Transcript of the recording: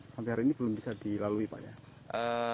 sampai hari ini belum bisa dilalui pak ya